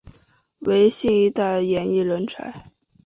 为新一代演艺人才。